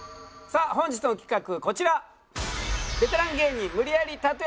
さあ本日の企画こちら。